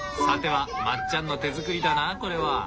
さてはまっちゃんの手作りだなこれは。